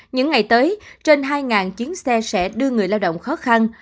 những ngày tới trên hai chuyến xe sẽ đưa người lao động khó khăn